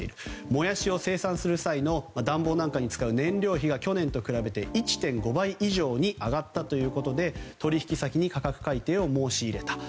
モヤシを生産する際の暖房なんかに使う燃料費が去年と比べて１．５倍以上に上がったということで取引先に価格改定を申し入れたと。